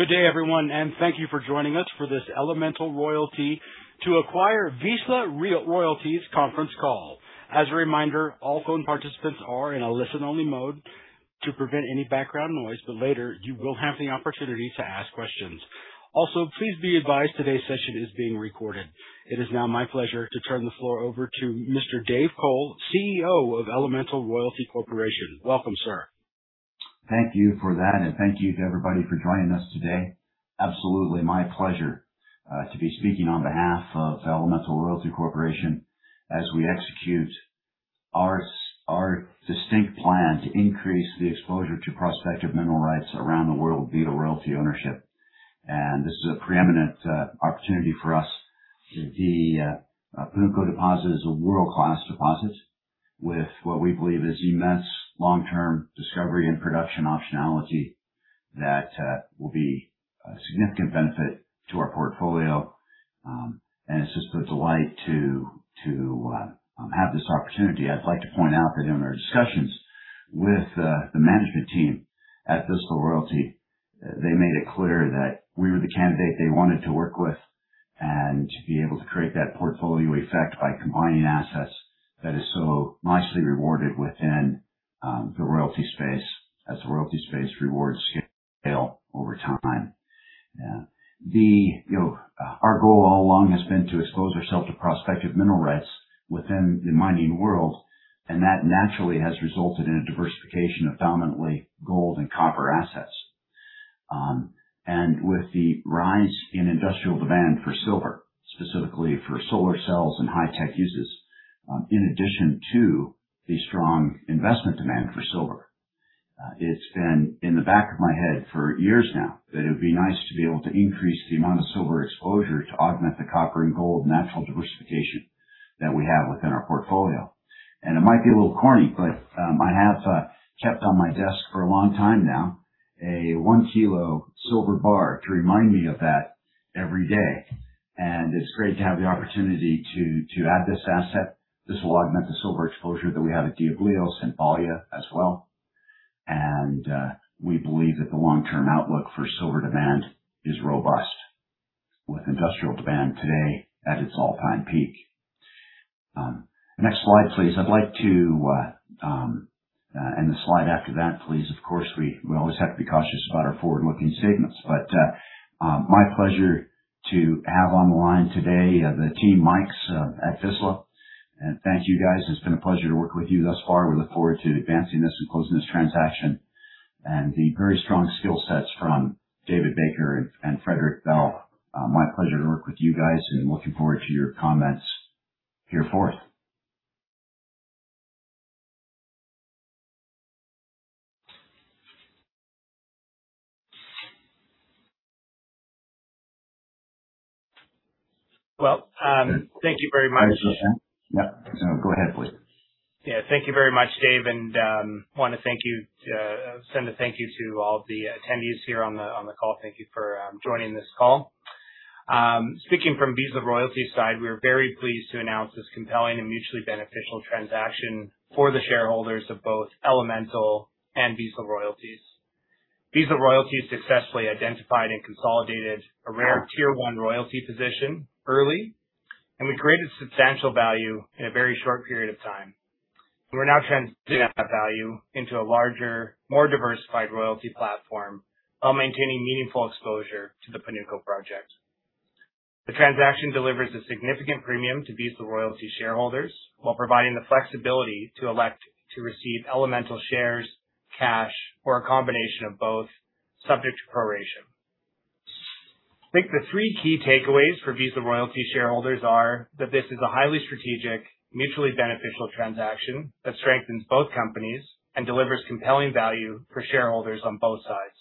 Good day, everyone, and thank you for joining us for this Elemental Royalty to acquire Vizsla Royalties conference call. As a reminder, all phone participants are in a listen-only mode to prevent any background noise, but later you will have the opportunity to ask questions. Also, please be advised today's session is being recorded. It is now my pleasure to turn the floor over to Mr. Dave Cole, CEO of Elemental Royalty Corporation. Welcome, sir. Thank you for that, and thank you to everybody for joining us today. Absolutely my pleasure to be speaking on behalf of Elemental Royalty Corporation as we execute our distinct plan to increase the exposure to prospective mineral rights around the world via royalty ownership. This is a preeminent opportunity for us. The Pánuco deposit is a world-class deposit with what we believe is immense long-term discovery and production optionality that will be a significant benefit to our portfolio. It's just a delight to have this opportunity. I'd like to point out that in our discussions with the management team at Vizsla Royalties, they made it clear that we were the candidate they wanted to work with and to be able to create that portfolio effect by combining assets that is so nicely rewarded within the royalty space as the royalty space rewards scale over time. You know, our goal all along has been to expose ourselves to prospective mineral rights within the mining world, and that naturally has resulted in a diversification of dominantly gold and copper assets. With the rise in industrial demand for silver, specifically for solar cells and high-tech uses, in addition to the strong investment demand for silver, it's been in the back of my head for years now that it would be nice to be able to increase the amount of silver exposure to augment the copper and gold natural diversification that we have within our portfolio. It might be a little corny, but I have kept on my desk for a long time now a 1 kilo silver bar to remind me of that every day. It's great to have the opportunity to add this asset. This will augment the silver exposure that we have at Diablillos and Balya as well. We believe that the long-term outlook for silver demand is robust, with industrial demand today at its all-time peak. Next slide, please. I'd like to, and the slide after that, please. Of course, we always have to be cautious about our forward-looking statements. My pleasure to have on the line today, the team Mikes, at Vizsla. Thank you, guys. It's been a pleasure to work with you thus far. We look forward to advancing this and closing this transaction. The very strong skill sets from David Baker and Frederick Bell, my pleasure to work with you guys and looking forward to your comments here forth. Well, thank you very much. Yeah. Go ahead, please. Yeah. Thank you very much, Dave, want to thank you, send a thank you to all the attendees here on the call. Thank you for joining this call. Speaking from Vizsla Royalties side, we are very pleased to announce this compelling and mutually beneficial transaction for the shareholders of both Elemental and Vizsla Royalties. Vizsla Royalties successfully identified and consolidated a rare tier one royalty position early, we created substantial value in a very short period of time. We're now translating that value into a larger, more diversified royalty platform while maintaining meaningful exposure to the Pánuco project. The transaction delivers a significant premium to Vizsla Royalties shareholders while providing the flexibility to elect to receive Elemental shares, cash, or a combination of both, subject to proration. I think the three key takeaways for Vizsla Royalties shareholders are that this is a highly strategic, mutually beneficial transaction that strengthens both companies and delivers compelling value for shareholders on both sides.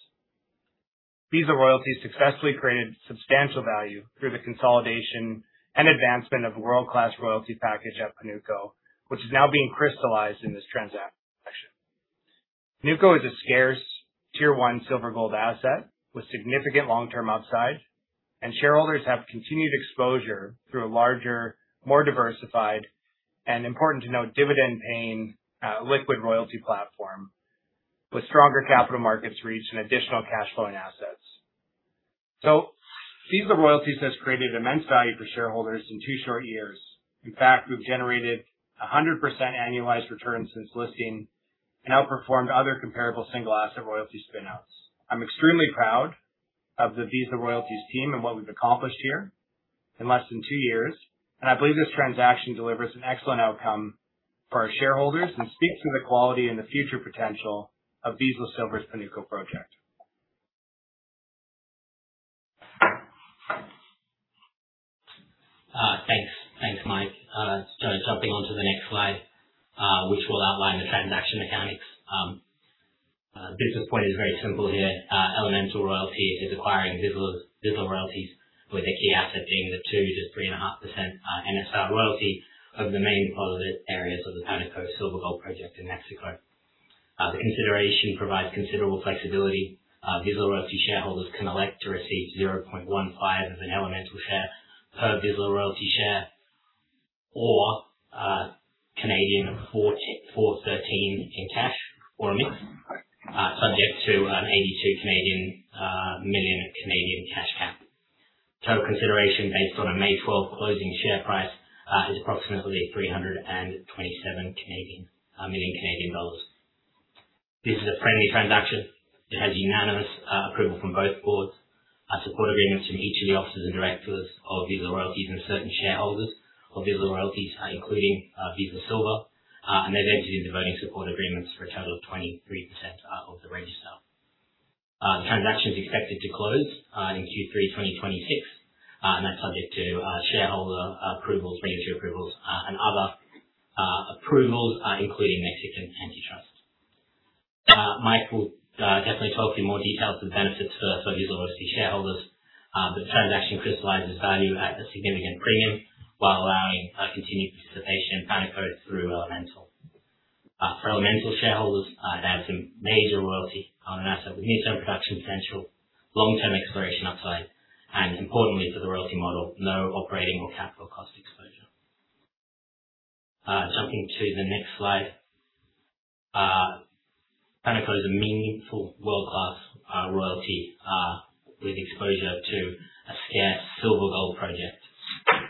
Vizsla Royalties successfully created substantial value through the consolidation and advancement of a world-class royalty package at Pánuco, which is now being crystallized in this transaction. Pánuco is a scarce tier one silver-gold asset with significant long-term upside, shareholders have continued exposure through a larger, more diversified and important to note, dividend-paying, liquid royalty platform with stronger capital markets reach and additional cash-flowing assets. Vizsla Royalties has created immense value for shareholders in two short years. In fact, we've generated 100% annualized returns since listing and outperformed other comparable single-asset royalty spin-outs. I'm extremely proud of the Vizsla Royalties team and what we've accomplished here in less than two years. I believe this transaction delivers an excellent outcome for our shareholders and speaks to the quality and the future potential of Vizsla Silver's Pánuco project. Thanks. Thanks, Mike. Jumping onto the next slide, which will outline the transaction mechanics. Business point is very simple here. Elemental Royalty is acquiring Vizsla Royalties with their key asset being the 2% to 3.5% NSR royalty over the main deposit areas of the Pánuco Silver-Gold project in Mexico. The consideration provides considerable flexibility. Vizsla Royalties shareholders can elect to receive 0.15 of an Elemental share per Vizsla Royalties share. Or 4.13 in cash or mix, subject to a 82 million cash cap. Total consideration based on a May 12 closing share price is approximately 327 million Canadian dollars. This is a friendly transaction that has unanimous approval from both boards. Support agreements from each of the officers and directors of Vizsla Royalties and certain shareholders of Vizsla Royalties, including Vizsla Silver. They've entered into voting support agreements for a total of 23% of the register. The transaction is expected to close in Q3 2026. That's subject to shareholder approvals, regulatory approvals, and other approvals, including Mexican antitrust. Mike will definitely talk to you more details of the benefits for Vizsla Royalties shareholders. The transaction crystallizes value at a significant premium while allowing continued participation in Pánuco through Elemental. For Elemental shareholders, they have some major royalty on an asset with near-term production potential, long-term exploration upside, and importantly for the royalty model, no operating or capital cost exposure. Jumping to the next slide. Pánuco is a meaningful world-class royalty with exposure to a scarce silver-gold project.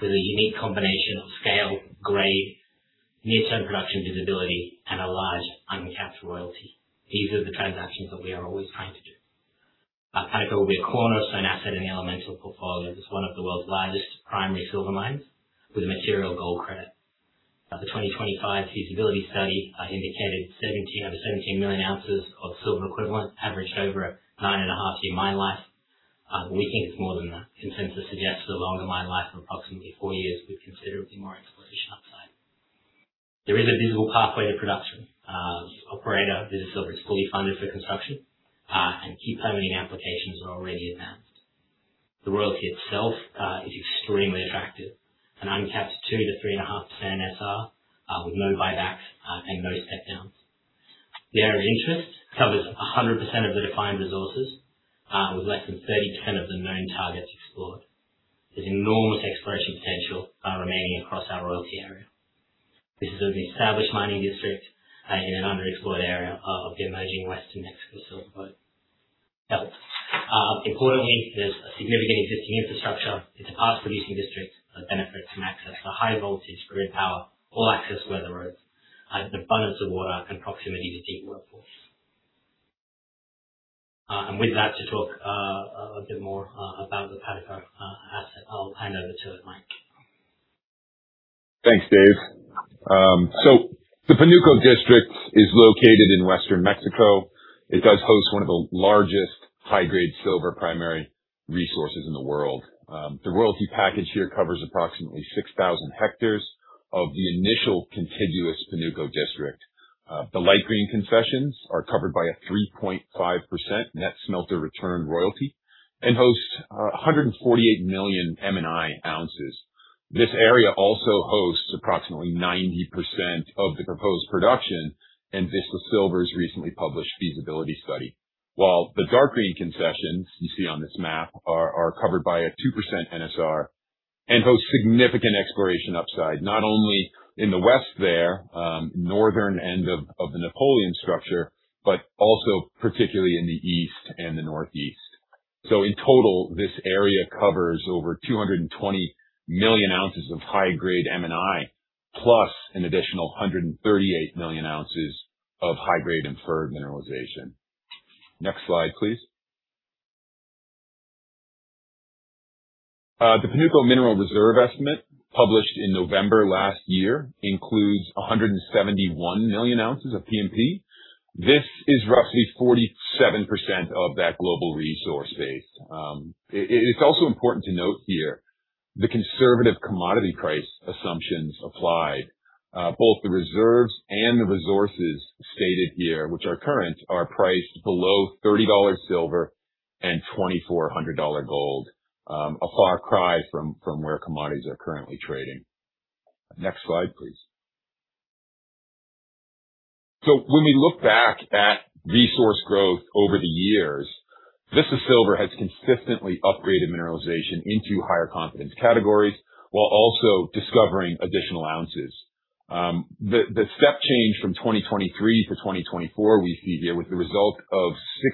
With a unique combination of scale, grade, near-term production visibility, and a large uncapped royalty. These are the transactions that we are always trying to do. Pánuco will be a cornerstone asset in the Elemental portfolio as one of the world's largest primary silver mines with a material gold credit. At the 2025 feasibility study indicated 17 out of 17 million ounces of silver equivalent averaged over a 9.5-year mine life. We think it's more than that. Consensus suggests a longer mine life of approximately four years with considerably more exploration upside. There is a visible pathway to production. Operator Vizsla Silver is fully funded for construction, and key permitting applications are already advanced. The royalty itself is extremely attractive. An uncapped 2% to 3.5% NSR, with no buybacks, and no step downs. The area of interest covers 100% of the defined resources, with less than 30% of the known targets explored. There's enormous exploration potential remaining across our royalty area. This is an established mining district in an underexplored area of the emerging Western Mexico Silver Belt. Importantly, there's a significant existing infrastructure. It's a past producing district that benefits from access to high voltage grid power, all access weather roads, an abundance of water, and proximity to cheap workforce. With that to talk a bit more about the Pánuco asset, I'll hand over to Mike. Thanks, Dave. The Pánuco district is located in Western Mexico. It does host one of the largest high-grade silver primary resources in the world. The royalty package here covers approximately 6,000 hectares of the initial contiguous Pánuco district. The light green concessions are covered by a 3.5% net smelter return royalty and hosts 148 million M&I ounces. This area also hosts approximately 90% of the proposed production in Vizsla Silver's recently published feasibility study. While the dark green concessions you see on this map are covered by a 2% NSR and host significant exploration upside, not only in the west there, northern end of the Napoleon structure, but also particularly in the East and the Northeast. In total, this area covers over 220 million ounces of high-grade M&I, plus an additional 138 million ounces of high-grade inferred mineralization. Next slide, please. The Pánuco mineral reserve estimate, published in November last year, includes 171 million ounces of P&P. This is roughly 47% of that global resource base. It's also important to note here the conservative commodity price assumptions applied. Both the reserves and the resources stated here, which are current, are priced below 30 dollars silver and $2,400 gold. A far cry from where commodities are currently trading. Next slide, please. When we look back at resource growth over the years, Vizsla Silver has consistently upgraded mineralization into higher confidence categories while also discovering additional ounces. The step change from 2023 to 2024 we see here was the result of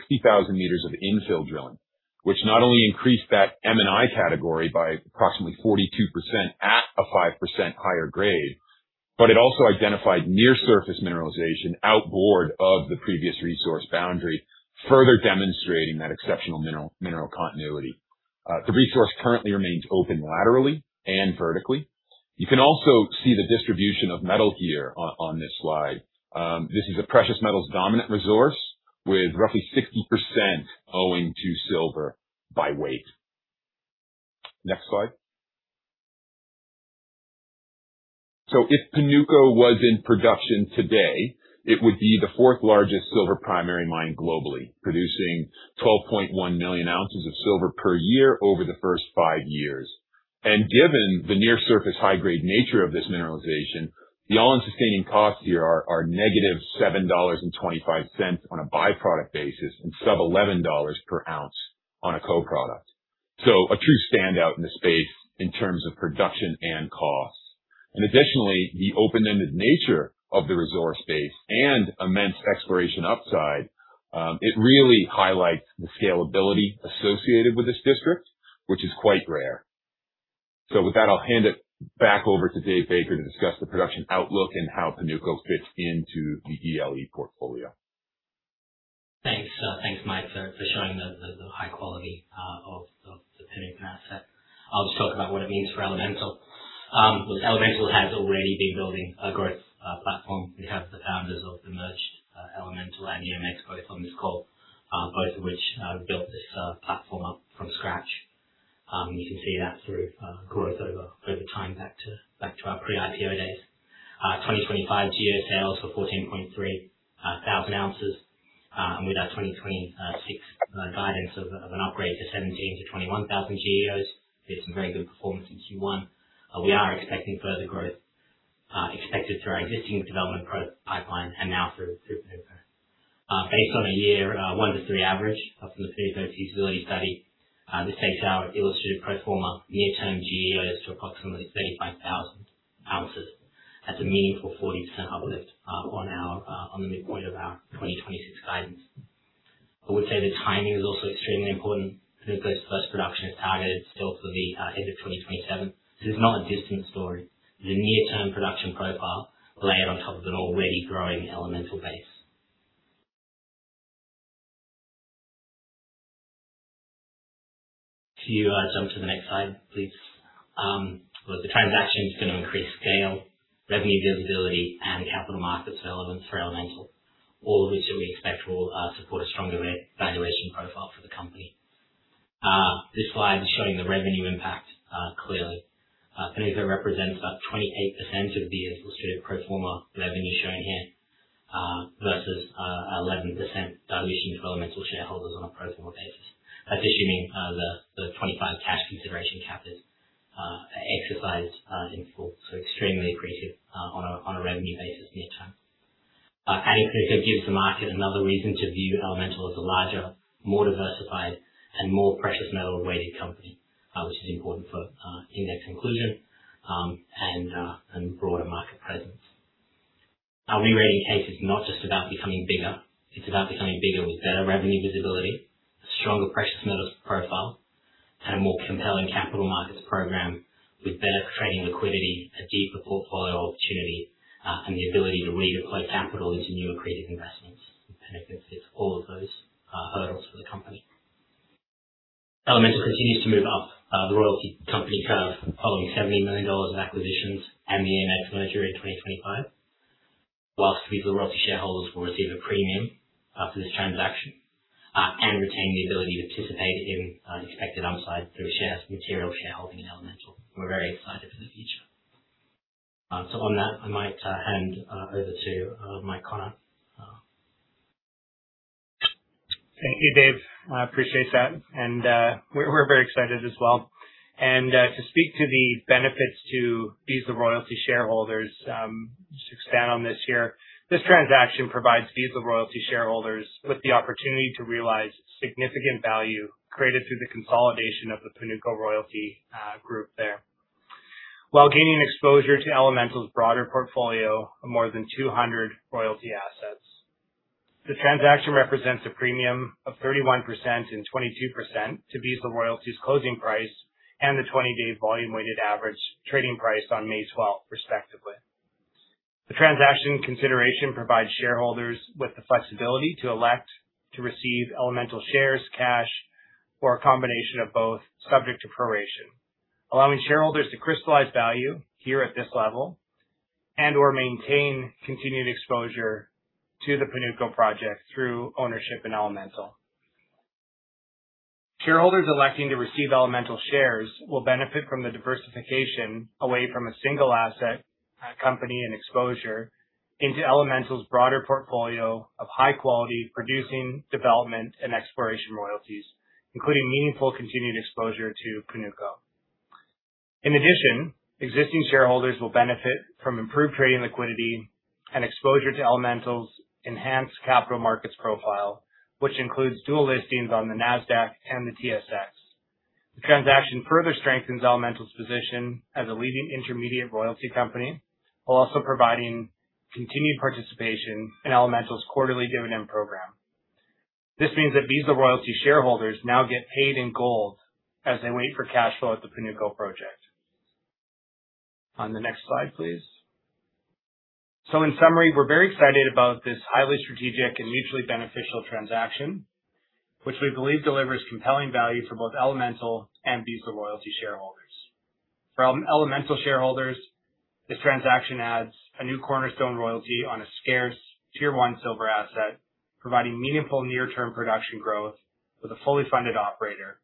60,000 m of infill drilling. Which not only increased that M&I category by approximately 42% at a 5% higher grade, but it also identified near surface mineralization outboard of the previous resource boundary, further demonstrating that exceptional mineral continuity. The resource currently remains open laterally and vertically. You can also see the distribution of metal here on this slide. This is a precious metals dominant resource with roughly 60% owing to silver by weight. Next slide. If Pánuco was in production today, it would be the fourth largest silver primary mine globally, producing 12.1 million ounces of silver per year over the first five years. Given the near-surface high-grade nature of this mineralization, the All-in Sustaining Costs here are negative $7.25 on a byproduct basis and sub $11 per ounce on a co-product. A true standout in the space in terms of production and costs. Additionally, the open-ended nature of the resource base and immense exploration upside, it really highlights the scalability associated with this district, which is quite rare. With that, I'll hand it back over to Dave Baker to discuss the production outlook and how Pánuco fits into the [inaudible] portfolio. Thanks. Thanks, Mike, for showing the high quality of the Pánuco asset. I'll just talk about what it means for Elemental. Look, Elemental has already been building a growth platform. We have the founders of the merged Elemental and EMX both on this call, both of which built this platform up from scratch. You can see that through growth over time back to our pre-IPO days. 2025 GEO sales for 14,300 ounces. With our 2026 guidance of an upgrade to 17,000-21,000 GEOs with some very good performance in Q1, we are expecting further growth expected through our existing development pro-pipeline and now through Pánuco. Based on a year one to three average from the Pánuco feasibility study, this takes our illustrative pro forma near-term GEOs to approximately 35,000 ounces. That's a meaningful 40% uplift on our on the midpoint of our 2026 guidance. I would say the timing is also extremely important. Pánuco's first production is targeted still for the head of 2027. This is not a distant story. The near-term production profile layered on top of an already growing Elemental base. Can you jump to the next slide, please? Look, the transaction is going to increase scale, revenue visibility and capital market relevance for Elemental. All of which we expect will support a stronger valuation profile for the company. This slide is showing the revenue impact clearly. Pánuco represents about 28% of the year's illustrative pro forma revenue shown here, versus 11% dilution to Elemental shareholders on a pro forma basis. That's assuming the 25% cash consideration cap is exercised in full, so extremely accretive on a revenue basis near term. Adding [inaudible] gives the market another reason to view Elemental as a larger, more diversified and more precious metal-weighted company, which is important for index inclusion, and broader market presence. Our rerating case is not just about becoming bigger, it's about becoming bigger with better revenue visibility, a stronger precious metals profile, and a more compelling capital markets program with better trading liquidity, a deeper portfolio opportunity, and the ability to redeploy capital into new accretive investments. Pánuco fits all of those hurdles for the company. Elemental continues to move up the royalty company curve following CAD 79 million of acquisitions and the EMX merger in 2025. Whilst Vizsla Royalties shareholders will receive a premium after this transaction and retain the ability to participate in expected upside through material shareholding in Elemental. We're very excited for the future. On that, I might hand over to Mike Konnert. Thank you, Dave. I appreciate that. We're very excited as well. To speak to the benefits to Vizsla Royalties shareholders, just expand on this here. This transaction provides Vizsla Royalties shareholders with the opportunity to realize significant value created through the consolidation of the Pánuco Royalty Group there. While gaining exposure to Elemental's broader portfolio of more than 200 royalty assets. The transaction represents a premium of 31% and 22% to Vizsla Royalties' closing price and the 20-day volume weighted average trading price on May 12th, respectively. The transaction consideration provides shareholders with the flexibility to elect to receive Elemental shares, cash, or a combination of both, subject to proration. Allowing shareholders to crystallize value here at this level and/or maintain continued exposure to the Pánuco project through ownership in Elemental. Shareholders electing to receive Elemental shares will benefit from the diversification away from a single asset, company and exposure into Elemental's broader portfolio of high quality producing development and exploration royalties, including meaningful continued exposure to Pánuco. In addition, existing shareholders will benefit from improved trading liquidity and exposure to Elemental's enhanced capital markets profile, which includes dual listings on the Nasdaq and the TSX. The transaction further strengthens Elemental's position as a leading intermediate royalty company, while also providing continued participation in Elemental's quarterly dividend program. This means that Vizsla Royalties shareholders now get paid in gold as they wait for cash flow at the Pánuco project. On the next slide, please. So, in summary, we're very excited about this highly strategic and mutually beneficial transaction, which we believe delivers compelling value for both Elemental and Vizsla Royalties shareholders. For Elemental shareholders, this transaction adds a new cornerstone royalty on a scarce tier one silver asset, providing meaningful near-term production growth with a fully funded operator.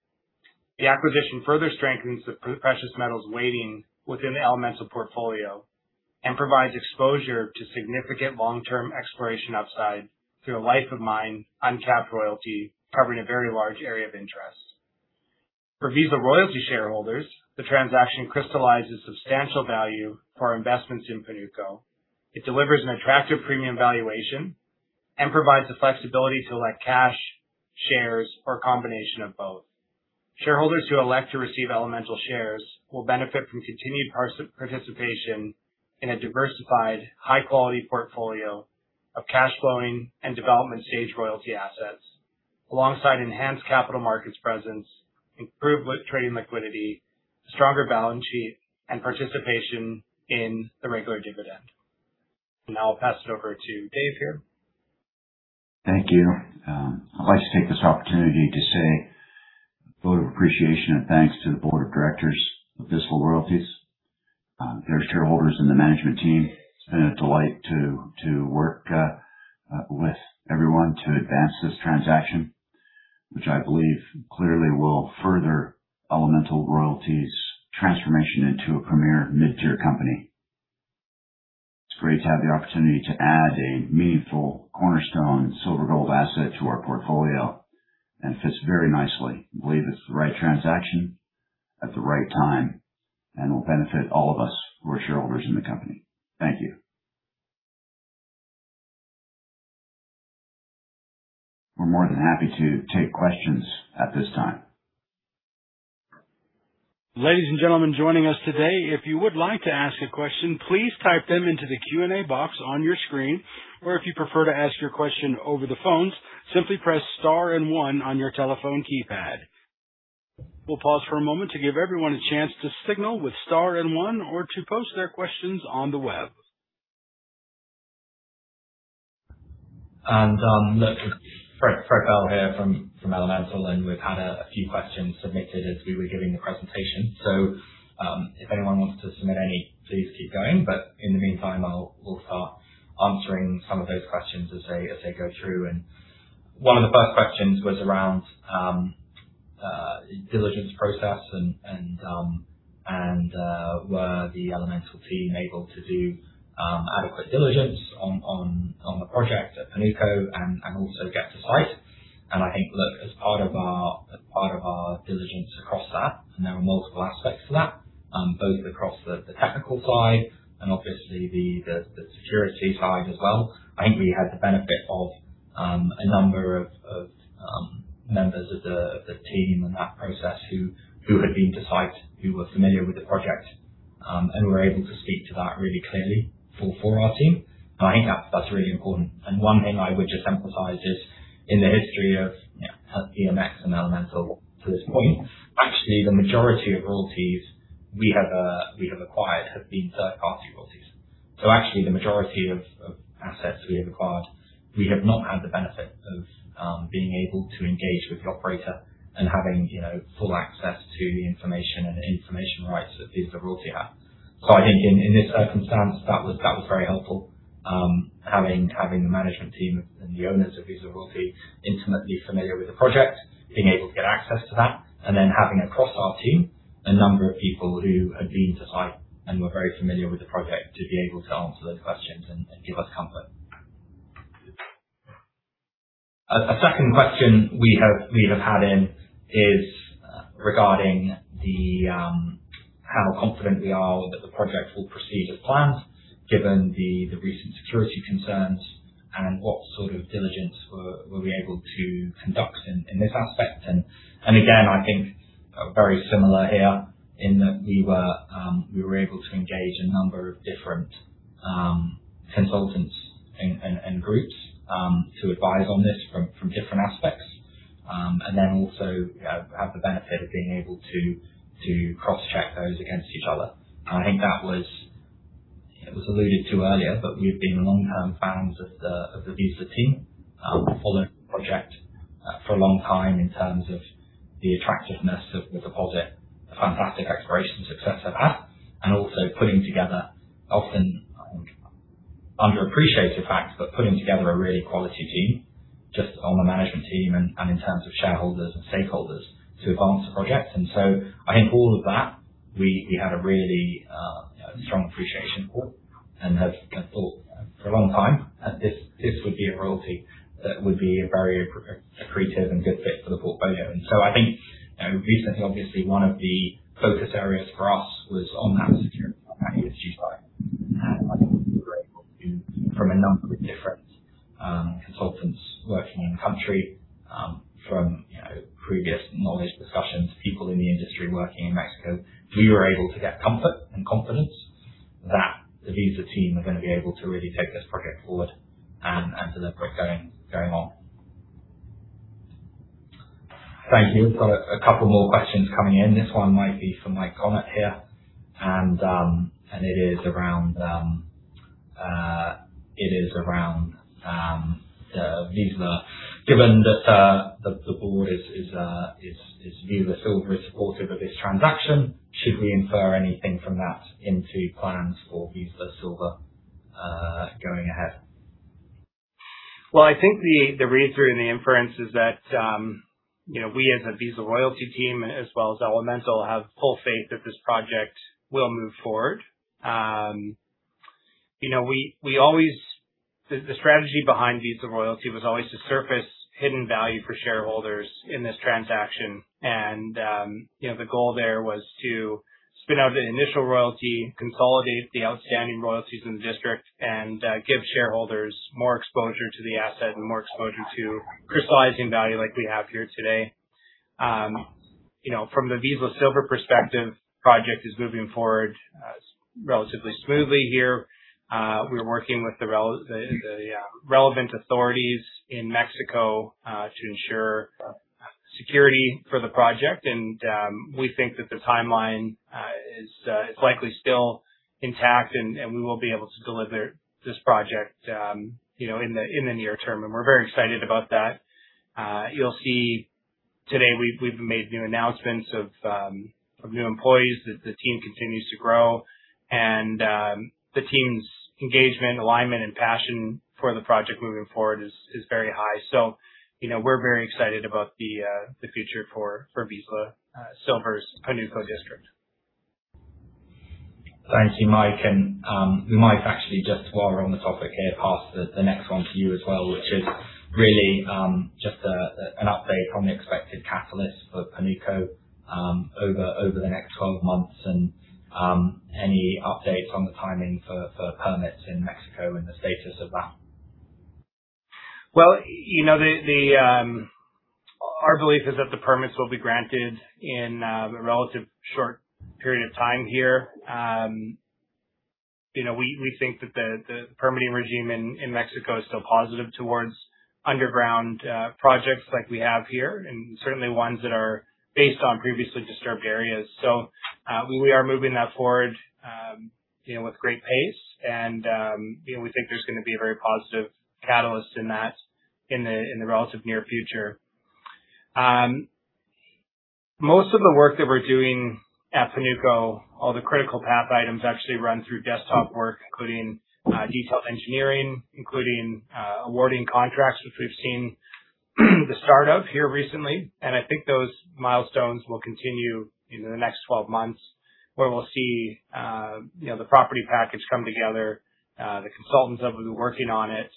The acquisition further strengthens the precious metals weighting within the Elemental portfolio and provides exposure to significant long-term exploration upside through a life of mine uncapped royalty covering a very large area of interest. For Vizsla Royalties shareholders, the transaction crystallizes substantial value for our investments in Pánuco. It delivers an attractive premium valuation and provides the flexibility to elect cash, shares, or a combination of both. Shareholders who elect to receive Elemental shares will benefit from continued participation in a diversified, high-quality portfolio of cash flowing and development stage royalty assets alongside enhanced capital markets presence, improved trading liquidity, stronger balance sheet, and participation in the regular dividend. Now I'll pass it over to Dave here. Thank you. I'd like to take this opportunity to say a vote of appreciation and thanks to the board of directors of Vizsla Royalties, their shareholders, and the management team. It's been a delight to work with everyone to advance this transaction, which I believe clearly will further Elemental Royalty's transformation into a premier mid-tier company. It's great to have the opportunity to add a meaningful cornerstone silver gold asset to our portfolio, and it fits very nicely. I believe it's the right transaction at the right time and will benefit all of us who are shareholders in the company. Thank you. We're more than happy to take questions at this time. Ladies and gentlemen joining us today, if you would like to ask a question, please type them into the Q&A box on your screen. If you prefer to ask your question over the phones, simply press star and one on your telephone keypad. We'll pause for a moment to give everyone a chance to signal with star and one or to post their questions on the web. Look, Fred Bell here from Elemental, we've had a few questions submitted as we were giving the presentation. If anyone wants to submit any, please keep going, but in the meantime, we'll start answering some of those questions as they go through. One of the first questions was around diligence process and were the Elemental team able to do adequate diligence on the project at Pánuco and also get to site. And I think, look, as part of our diligence across that, and there are multiple aspects to that, both across the technical side and obviously the security side as well. I think we had the benefit of a number of members of the team in that process who had been to site, who were familiar with the project, and were able to speak to that really clearly for our team. I think that's really important. One thing I would just emphasize is in the history of EMX and Elemental to this point, actually the majority of royalties we have acquired have been third-party royalties. Actually the majority of assets we have acquired, we have not had the benefit of being able to engage with the operator and having, you know, full access to the information and information rights that Vizsla Royalties had. I think in this circumstance, that was very helpful, having the management team and the owners of Vizsla Royalties intimately familiar with the project, being able to get access to that, and then having across our team a number of people who had been to site and were very familiar with the project to be able to answer those questions and give us comfort. A second question we have had in is regarding the how confident we are that the project will proceed as planned given the recent security concerns and what sort of diligence were we able to conduct in this aspect. Again, I think very similar here in that we were able to engage a number of different consultants and groups to advise on this from different aspects. Also have the benefit of being able to cross-check those against each other. I think it was alluded to earlier, but we've been long-term fans of the Vizsla team, followed the project for a long time in terms of the attractiveness of the deposit, the fantastic exploration success they've had, and also putting together often, I think, underappreciated fact, but putting together a really quality team just on the management team and in terms of shareholders and stakeholders to advance the project. I think all of that, we had a really strong appreciation for and have thought for a long time that this would be a royalty that would be a very accretive and good fit for the portfolio. I think, you know, recently, obviously one of the focus areas for us was on that security issue side. I think we were able to, from a number of different consultants working in country, from, you know, previous knowledge, discussions, people in the industry working in Mexico, we were able to get comfort and confidence that the Vizsla team are gonna be able to really take this project forward and deliver it going on. Thank you. We've got a couple more questions coming in. This one might be for Mike Konnert here, and it is around the Vizsla. Given that the board is Vizsla Silver is supportive of this transaction, should we infer anything from that into plans for Vizsla Silver going ahead? Well, I think the read through and the inference is that, you know, we as a Vizsla Royalties team as well as Elemental have full faith that this project will move forward. You know, we, we always, the strategy behind Vizsla Royalties was always to surface hidden value for shareholders in this transaction. And, you know, the goal there was to spin out the initial royalty, consolidate the outstanding royalties in the district, give shareholders more exposure to the asset and more exposure to crystallizing value like we have here today. You know, from the Vizsla Silver perspective, project is moving forward, relatively smoothly here. We're working with the relevant authorities in Mexico to ensure security for the project. We think that the timeline is likely still intact and we will be able to deliver this project, you know, in the near term. We're very excited about that. You'll see today we've made new announcements of new employees that the team continues to grow and the team's engagement, alignment, and passion for the project moving forward is very high. We're very excited about the future for Vizsla Silver's Pánuco district. Thank you, Mike. We might actually just while we're on the topic here, pass the next one to you as well, which is really just an update on the expected catalyst for Pánuco over the next 12 months and any updates on the timing for permits in Mexico and the status of that. Well, you know, the, our belief is that the permits will be granted in a relative short period of time here. You know, we think that the permitting regime in Mexico is still positive towards underground projects like we have here, and certainly ones that are based on previously disturbed areas. We are moving that forward, you know, with great pace and, you know, we think there's gonna be a very positive catalyst in that in the relative near future. Most of the work that we're doing at Pánuco, all the critical path items actually run through desktop work, including detailed engineering, including awarding contracts, which we've seen the start of here recently. I think those milestones will continue into the next 12 months, where we'll see, you know, the property package come together, the consultants that will be working on it,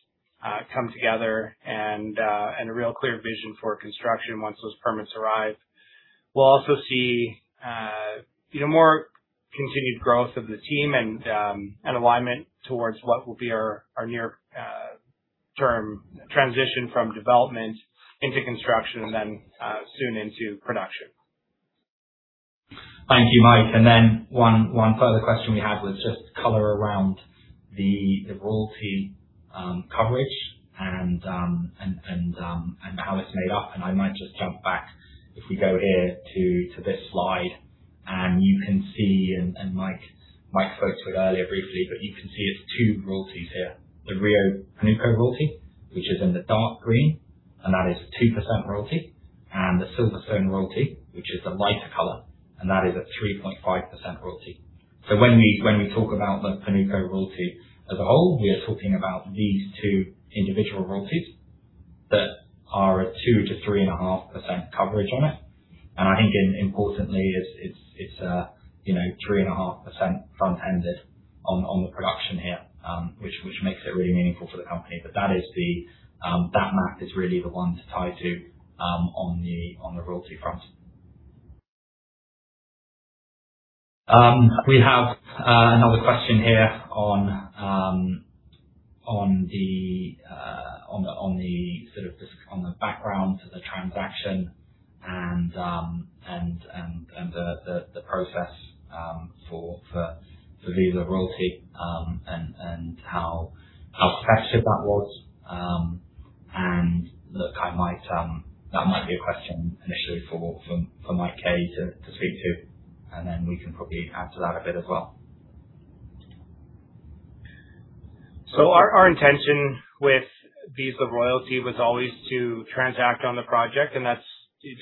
come together and a real clear vision for construction once those permits arrive. We'll also see, you know, more continued growth of the team and an alignment towards what will be our near, term transition from development into construction and then, soon into production. Thank you, Mike. One further question we had was just color around the royalty coverage and how it's made up. I might just jump back if we go here to this slide. You can see Mike spoke to it earlier briefly, you can see it's two royalties here. The Rio Pánuco Royalty, which is in the dark green, that is a 2% royalty. The Silverstone Royalty, which is the lighter color, that is a 3.5% royalty. When we talk about the Pánuco Royalty as a whole, we are talking about these two individual royalties that are a 2%-3.5% coverage on it. I think importantly it's, you know, 3.5% front-ended on the production here, which makes it really meaningful for the company. That is the, that map is really the one to tie to on the royalty front. We have another question here on the sort of just on the background to the transaction and the process for Vizsla Royalties, and how structured that was. Look, I might, that might be a question initially for Mike K. to speak to, and then we can probably add to that a bit as well. Our intention with Vizsla Royalties was always to transact on the project, and that's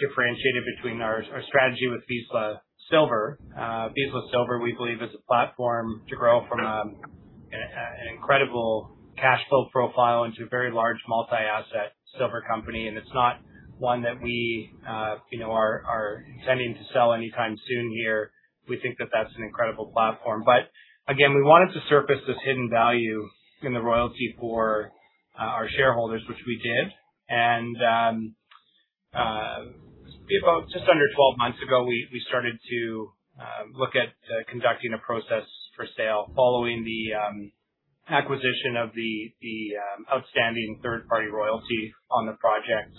differentiated between our strategy with Vizsla Silver. Vizsla Silver, we believe, is a platform to grow from an incredible cash flow profile into a very large multi-asset silver company, and it's not one that we, you know, are intending to sell anytime soon here. We think that that's an incredible platform. Again, we wanted to surface this hidden value in the royalty for our shareholders, which we did. About just under 12 months ago, we started to look at conducting a process for sale following the acquisition of the outstanding third-party royalty on the project.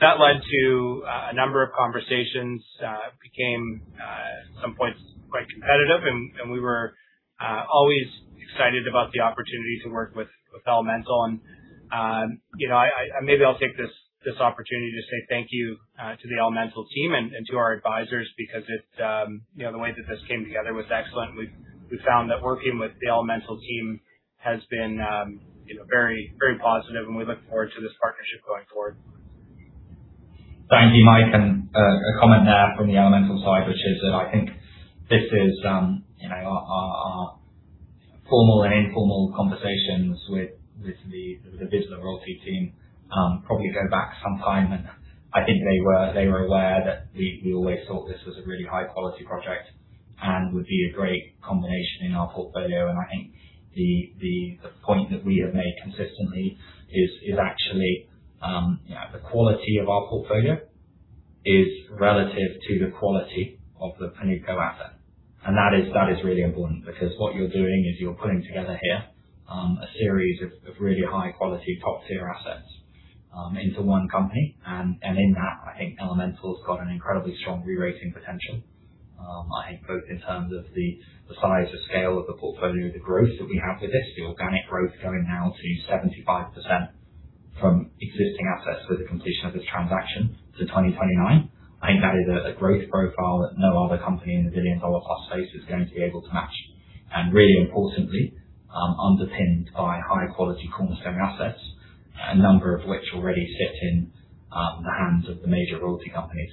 That led to a number of conversations, became at some point quite competitive and we were always excited about the opportunity to work with Elemental. And, you know, maybe I'll take this opportunity to say thank you to the Elemental team and to our advisors because it's, you know, the way that this came together was excellent. We found that working with the Elemental team has been, you know, very positive and we look forward to this partnership going forward. Thank you, Mike. A comment there from the Elemental side, which is that I think this is, you know, our formal and informal conversations with the Vizsla Royalty team probably go back some time. I think they were aware that we always thought this was a really high quality project and would be a great combination in our portfolio. I think the point that we have made consistently is actually the quality of our portfolio is relative to the quality of the Pánuco asset. That is really important because what you're doing is you're putting together here a series of really high quality top-tier assets into one company. In that, I think Elemental has got an incredibly strong rerating potential. I think both in terms of the size and scale of the portfolio, the growth that we have with this, the organic growth going now to 75% from existing assets with the completion of this transaction to 2029. I think that is a growth profile that no other company in the billion-dollar plus space is going to be able to match. Really importantly, underpinned by high quality cornerstone assets, a number of which already sit in the hands of the major royalty companies,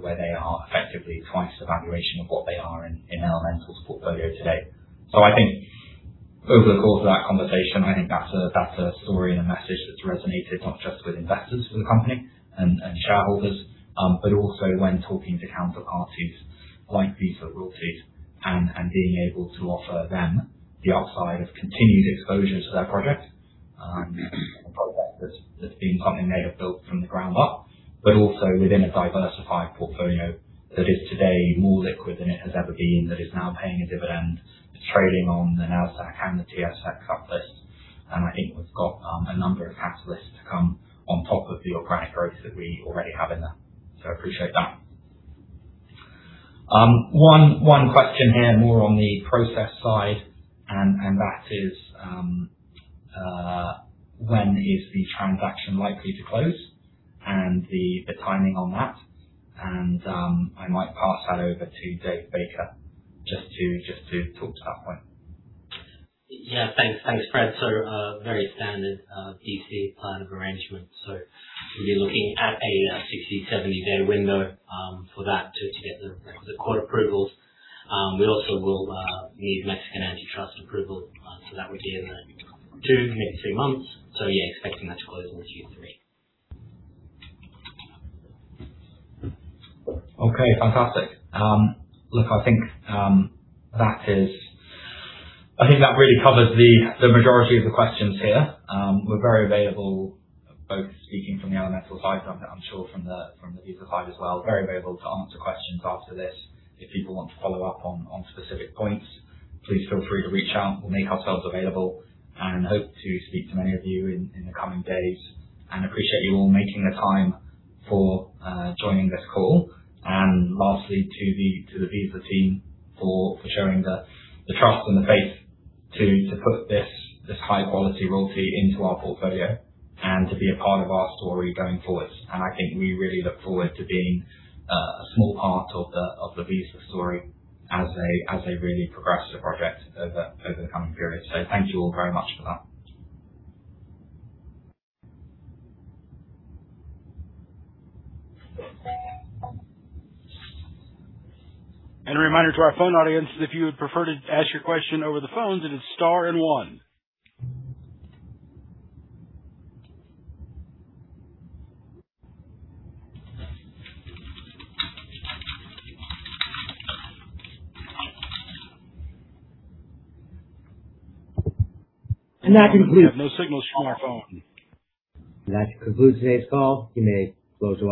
where they are effectively twice the valuation of what they are in Elemental's portfolio today. I think over the course of that conversation, I think that's a, that's a story and a message that's resonated not just with investors for the company and shareholders, but also when talking to counterparties like Vizsla Royalties and being able to offer them the upside of continued exposure to their project, a project that's being something they have built from the ground up, but also within a diversified portfolio that is today more liquid than it has ever been, that is now paying a dividend. It's trading on the Nasdaq and the TSX up list. I think we've got a number of catalysts to come on top of the organic growth that we already have in there. Appreciate that. One question here more on the process side, and that is, when is the transaction likely to close and the timing on that? I might pass that over to Dave Baker just to talk to that point. Yeah. Thanks. Thanks, Fred. Very standard BC plan of arrangement. We'll be looking at a 60-day, 70-day window for that to get the court approvals. We also will need Mexican antitrust approval. That would be in two, maybe three months. Yeah, expecting that to close in Q3. Okay, fantastic. Look, I think, that is, that really covers the majority of the questions here. We're very available both speaking from the Elemental side, I'm sure from the Vizsla side as well. Very available to answer questions after this. If people want to follow up on specific points, please feel free to reach out. We'll make ourselves available and hope to speak to many of you in the coming days. Appreciate you all making the time for joining this call. Lastly, to the Vizsla team for showing the trust and the faith to put this high quality royalty into our portfolio and to be a part of our story going forward. I think we really look forward to being a small part of the Vizsla story as they really progress the project over the coming period. Thank you all very much for that. A reminder to our phone audience, if you would prefer to ask your question over the phones, it is star and one. And that concludes- We have no signals from our phone. That concludes today's call. You may close your lines.